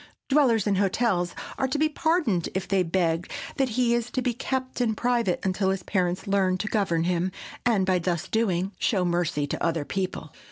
Dwellers in hotels are to be pardoned if they beg that he be kept in private until his parents learn to govern him, and by thus doing, show mercy to other people.